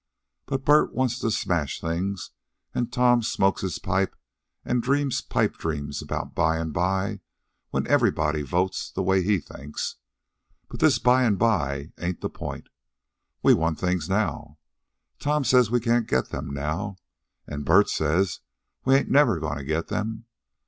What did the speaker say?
But Bert wants to smash things, an' Tom smokes his pipe and dreams pipe dreams about by an' by when everybody votes the way he thinks. But this by an' by ain't the point. We want things now. Tom says we can't get them now, an' Bert says we ain't never goin' to get them.